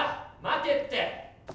待てって！